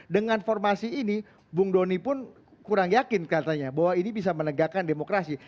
dengan formasi ini bung doni pun kurang yakin katanya bahwa ini bisa menegakkan demokrasi